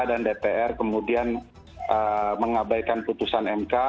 pemerintah dan dpr kemudian mengabaikan putusan mk